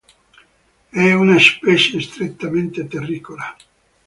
È una specie strettamente terricola.